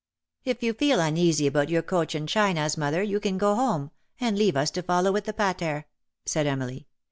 " If you feel uneasy about your Cochin Chinas, mother, you can go home, and leave us to follow with the pater," said Emily.